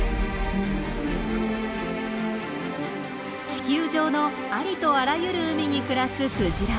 地球上のありとあらゆる海に暮らすクジラ。